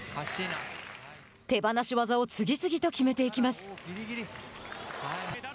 手放し技を次々と決めていきます。